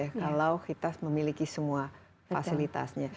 kalau kita memiliki semua fasilitasnya